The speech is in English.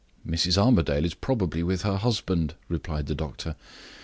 "Mrs. Armadale is probably with her husband," replied the doctor.